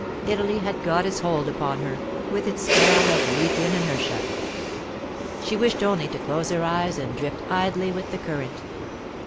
Italy had got its hold upon her, with its spell of Lethian inertia. She wished only to close her eyes and drift idly with the current.